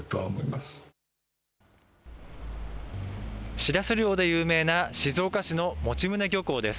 しらす漁で有名な静岡市の用宗漁港です。